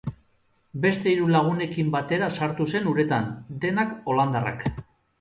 Beste hiru lagunekin batera sartu zen uretan, denak holandarrak.